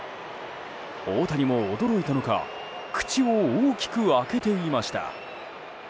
大谷も驚いたのか口を大きく開けていました。